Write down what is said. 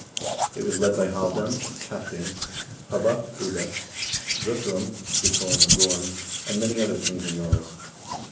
It was led by Halvdan (Halfdene), Hubba (Ubbe), Guthrum (Guttorm or Gorm), and many other kings and jarls.